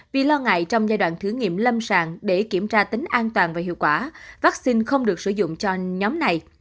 vì lo ngại trong giai đoạn thử nghiệm lâm sàng để kiểm tra tính an toàn và hiệu quả vaccine không được sử dụng cho nhóm này